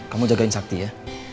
kamu jagain sakti ya